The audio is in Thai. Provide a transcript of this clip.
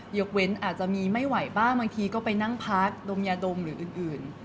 ยกเว้นอาจจะมีไม่ไหวบ้างบางทีก็ไปนั่งพักดมยาดมหรืออื่น